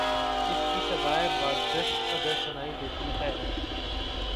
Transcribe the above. اس کی صدائے بازگشت اگر سنائی دیتی ہے۔